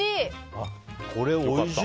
おいしい！